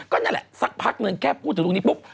ก็นั่นแหละสักพักเหมือนแค่พูดถูกนี้ปุ๊บ